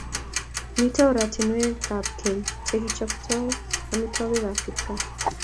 mito ortinwekab keny che kichoptoi amitwokikab kipkaa